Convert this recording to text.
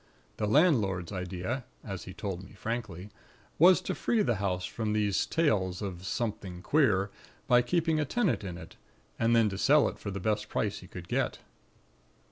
The landlord's idea as he told me frankly was to free the house from these tales of 'something queer,' by keeping a tenant in it, and then to sell it for the best price he could get.